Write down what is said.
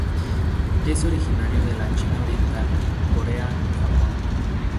Es originario de la China oriental, Corea y Japón.